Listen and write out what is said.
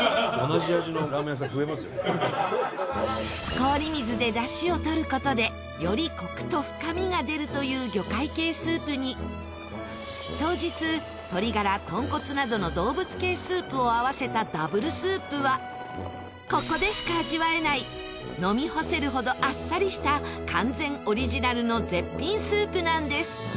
氷水でダシを取る事でよりコクと深みが出るという魚介系スープに当日鶏がら豚骨などの動物系スープを合わせたダブルスープはここでしか味わえない飲み干せるほどあっさりした完全オリジナルの絶品スープなんです。